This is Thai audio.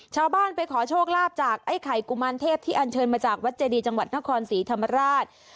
ชาวบ้านไปขอโชคลาภจากไอ้ไข่กุมารเทพที่อันเชิญมาจากวัดเจดีจังหวัดนครศรีธรรมราช